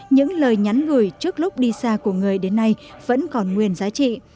những lời nhắn gửi trước lúc đi xa của người đến nay vẫn còn nguyên giá trị